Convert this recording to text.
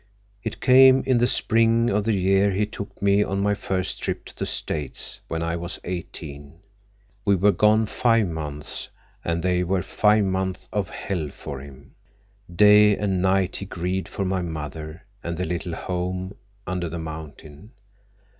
It came in the spring of the year he took me on my first trip to the States, when I was eighteen. We were gone five months, and they were five months of hell for him. Day and night he grieved for my mother and the little home under the mountain.